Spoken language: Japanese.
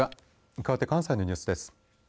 かわって関西のニュースです。